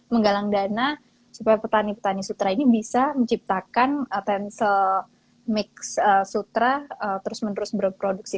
menggalang dana supaya petani petani sutra ini bisa menciptakan tancel mix sutra terus menerus berproduksi